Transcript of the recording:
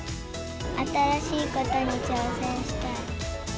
新しいことに挑戦したい。